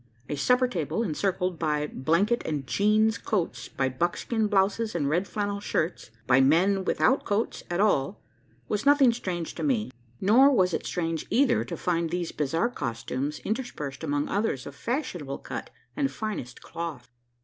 A supper table, encircled by blanket and "jeans" coats by buckskin blouses and red flannel shirts by men without coats at all was nothing strange to me; nor was it strange either to find these bizarre costumes interspersed among others of fashionable cut and finest cloth.